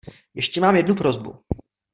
Ještě mám jednu prosbu.